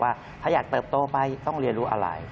ว่าถ้าอยากเติบโตไปต้องเรียนรู้อะไร